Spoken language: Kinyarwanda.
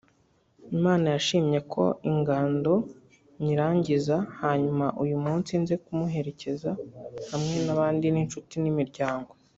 Imana yashimye ko ingando nyirangiza hanyuma uyu munsi nze kumuherekeza hamwe n’abandi n’inshuti n’imiryango